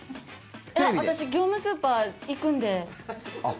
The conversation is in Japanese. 業務スーパー行くんで。